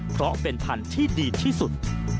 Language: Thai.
เพราะเป็นพันธุ์ที่ดีที่สุด